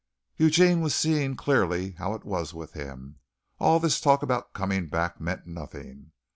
Eugene was seeing clearly how it was with him. All this talk about coming back meant nothing.